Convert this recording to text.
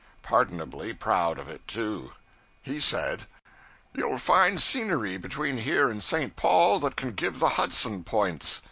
Pardonably proud of it, too. He said 'You'll find scenery between here and St. Paul that can give the Hudson points.